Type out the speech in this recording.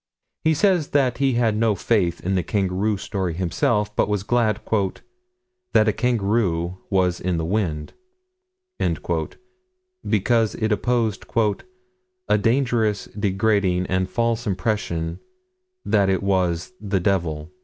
He says that he had no faith in the kangaroo story himself, but was glad "that a kangaroo was in the wind," because it opposed "a dangerous, degrading, and false impression that it was the devil."